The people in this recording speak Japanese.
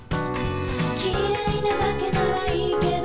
「きれいなだけならいいけど」